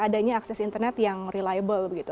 adanya akses internet yang reliable begitu